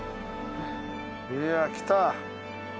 いや来た。